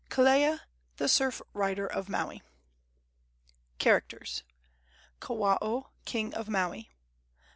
KELEA, THE SURF RIDER OF MAUI. CHARACTERS. Kawao, king of Maui.